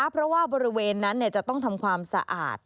เพราะว่าบริเวณนั้นจะต้องทำความสะอาด